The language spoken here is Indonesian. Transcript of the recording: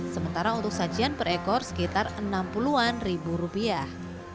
sementara untuk sajian per ekor sekitar enam puluh an ribu rupiah